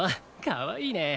かわいいね。